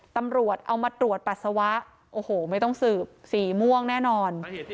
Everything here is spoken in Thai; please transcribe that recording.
ตำรวจเอามาตรวจปัสสาวะโอ้โหไม่ต้องสืบสีม่วงแน่นอน